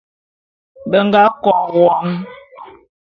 Be nga KO won.